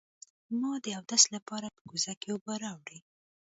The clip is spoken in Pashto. ما د اودس لپاره په کوزه کې اوبه راوړې.